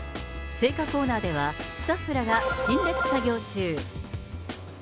青果コーナーでは、スタッフらが陳列作業中。